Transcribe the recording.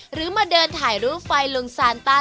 หรือมาเดินถ่ายรูปไฟลงซานต้า